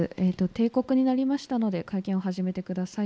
定刻になりましたので会見を始めてください。